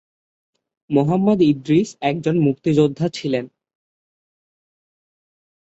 মোহাম্মদ ইদ্রিস একজন মুক্তিযোদ্ধা ছিলেন।